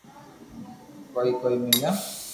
ڪوئي ڪوئي ميليو